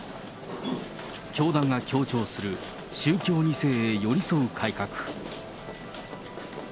教団が強調する宗教２世へ寄り添う改革。